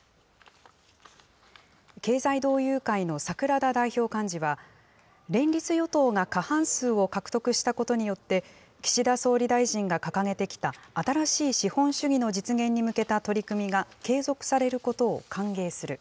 経済同友会の櫻田代表幹事は、連立与党が過半数を獲得したことによって、岸田総理大臣が掲げてきた新しい資本主義の実現に向けた取り組みが継続されることを歓迎する。